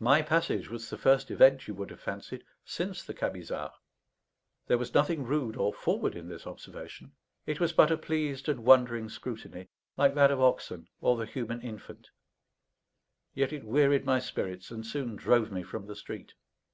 My passage was the first event, you would have fancied, since the Camisards. There was nothing rude or forward in this observation; it was but a pleased and wondering scrutiny, like that of oxen or the human infant; yet it wearied my spirits, and soon drove me from the street.